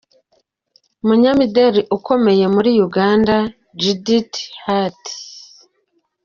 Umunyamideri ukomeye muri Uganda Judith Heard.